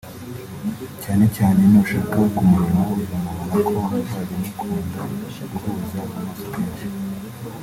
Cyane cyane nushaka kumureba uzabona ko muzajya mukunda guhuza amaso kenshi